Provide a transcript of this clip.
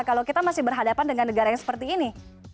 kalau kita masih berhadapan dengan negara yang seperti ini